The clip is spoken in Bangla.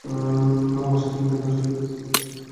ওনার সাথে বিন্দুমাত্র সংযোগ পেতে হলেও এটা করতে হবে।